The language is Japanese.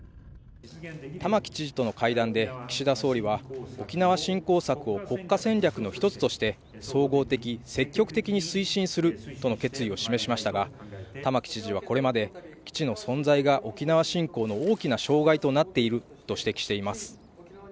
玉城知事との会談で岸田総理は沖縄振興策を国家戦略の一つとして、総合的、積極的に推進するとの決意を示しましたが玉城知事はこれまで、基地の存在が沖縄振興の大きな障害になっていると指摘しています。